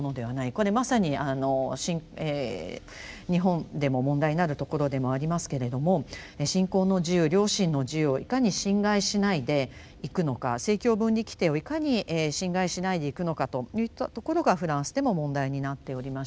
これまさに日本でも問題になるところでもありますけれども信仰の自由良心の自由をいかに侵害しないでいくのか政教分離規定をいかに侵害しないでいくのかといったところがフランスでも問題になっておりまして。